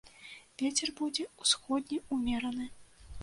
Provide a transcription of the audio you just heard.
Вецер будзе ўсходні ўмераны.